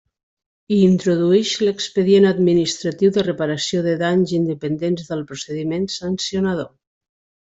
I introduïx l'expedient administratiu de reparació de danys independents del procediment sancionador.